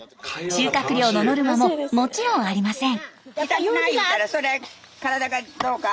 収穫量のノルマももちろんありません。